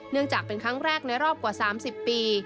จากเป็นครั้งแรกในรอบกว่า๓๐ปี